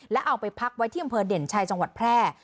แล้วเอาไปพักไว้ที่อำเภอเด่นชัยจังหวัดแพร่